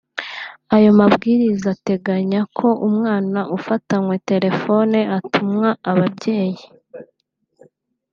Ayo mabwiriza ategenya ko umwana ufatanywe telefoni atumwa ababyeyi